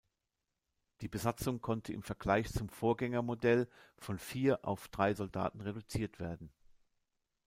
Die Besatzung konnte im Vergleich zum Vorgängermodell von vier auf drei Soldaten reduziert werden.